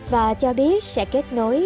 và cho biết sẽ kết nối